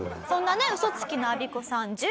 そんなね嘘つきのアビコさん